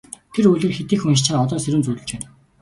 Тэр үлгэр хэт их уншчихаад одоо сэрүүн зүүдэлж байна.